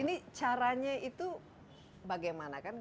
ini caranya itu bagaimana kan